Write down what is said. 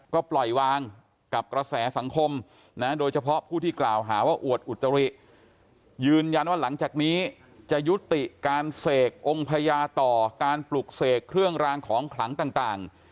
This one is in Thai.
ก็ปล่อยวางกับกระแสสังคมนะโดยเฉพาะผู้ที่กล่าวหาว่าอวดอุจริยืนยันว่าหลังจากนี้จะยุติการเสกองค์พญาต่อการปลุกเสกเครื่องรางของขลังต่าง